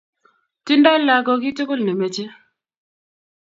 tindoi lagok keitukul che machee.